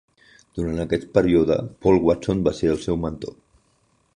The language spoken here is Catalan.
Durant aquest període Paul Watson va ser el seu mentor.